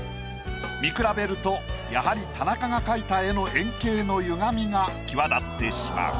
見比べるとやはり田中が描いた絵の遠景の歪みが際立ってしまう。